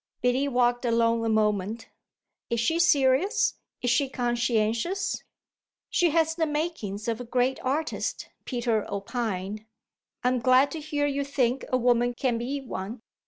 Biddy walked along a moment. "Is she serious? Is she conscientious?" "She has the makings of a great artist," Peter opined. "I'm glad to hear you think a woman can be one."